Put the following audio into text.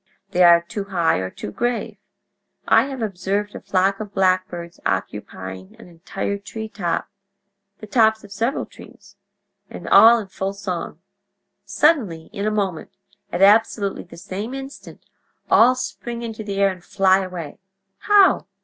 They are too high or too grave. I have observed a flock of blackbirds occupying an entire treetop—the tops of several trees—and all in full song. Suddenly—in a moment—at absolutely the same instant—all spring into the air and fly away. How?